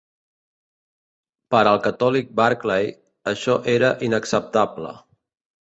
Per al catòlic Barclay, això era inacceptable.